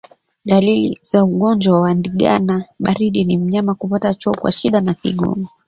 Dalili za ugonjwa wa ndigana baridi ni mnyama kupata choo kwa shida na kigumu